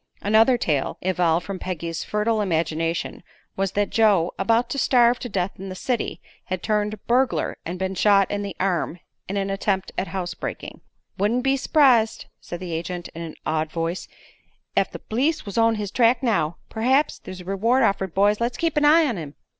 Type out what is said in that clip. Another tale evolved from Peggy's fertile imagination was that Joe, being about to starve to death in the city, had turned burglar and been shot in the arm in an attempt at housebreaking. "Wouldn't be s'prised," said the agent, in an awed voice, "ef the p'lice was on his track now. P'raps there's a reward offered, boys; let's keep an eye on him!"